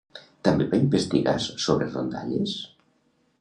També va investigar sobre rondalles?